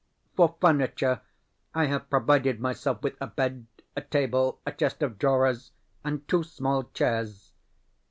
For furniture I have provided myself with a bed, a table, a chest of drawers, and two small chairs.